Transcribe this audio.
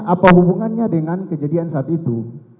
apa hubungannya dengan kejadian saat itu